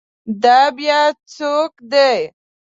دا بیا څوک دی؟